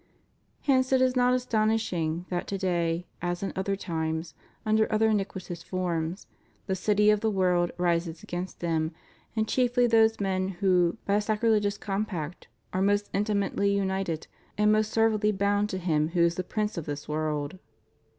Hence it is not astonishing that to day, as in other times, under other iniquitous forms, the City of the World rises against them, and chiefly those men who, by a sacrilegious compact, are most intimately united and most servilely bound to him who is Prince of this world.